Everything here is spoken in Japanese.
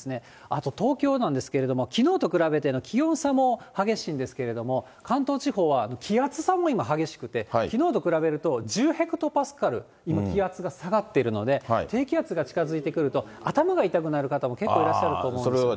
あと東京なんですけれども、きのうと比べての気温差も激しいんですけれども、関東地方は気圧差も今、激しくて、きのうと比べると１０ヘクトパスカル気圧が下がっているので、低気圧が近づいてくると、頭が痛くなる方も結構いらっしゃると思うんですね。